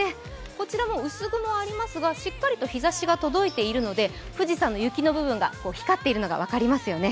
こちらも薄雲ありますが、しっかりと日ざしが届いているので富士山の雪の部分が光っているのが分かりますね。